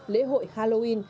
lễ hội halloween